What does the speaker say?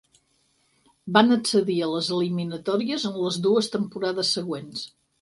Van accedir a les eliminatòries en les dues temporades següents.